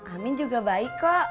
amin juga baik kok